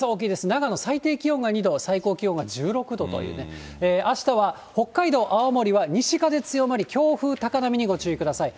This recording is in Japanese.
長野、最低気温が２度、最高気温が１６度というね、あしたは北海道、青森は西風強まり、強風、高波にご注意ください。